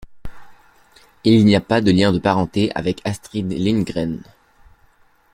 Il n'a pas de lien de parenté avec Astrid Lindgren.